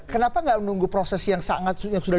kenapa tidak menunggu proses yang sangat